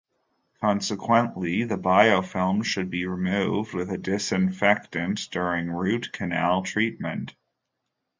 Consequently, the biofilm should be removed with a disinfectant during root canal treatment.